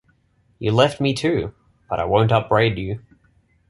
You left me too: but I won’t upbraid you!